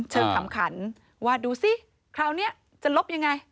ขำขันว่าดูสิคราวนี้จะลบยังไง